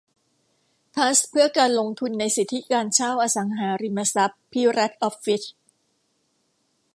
ทรัสต์เพื่อการลงทุนในสิทธิการเช่าอสังหาริมทรัพย์ภิรัชออฟฟิศ